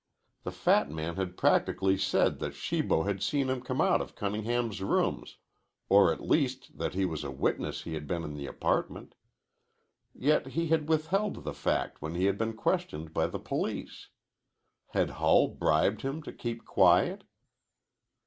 The fat man had practically said that Shibo had seen him come out of Cunningham's rooms, or at least that he was a witness he had been in the apartment. Yet he had withheld the fact when he had been questioned by the police. Had Hull bribed him to keep quiet?